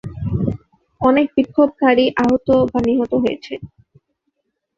অনেক বিক্ষোভকারী আহত বা নিহত হয়েছে।